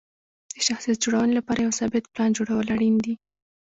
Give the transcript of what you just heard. د شخصیت جوړونې لپاره یو ثابت پلان جوړول اړین دي.